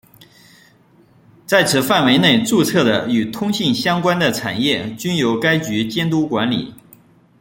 在此范围内注册的与通信相关的产业均由该局监督管理。